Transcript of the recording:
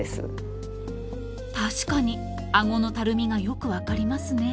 確かにあごのたるみがよくわかりますね！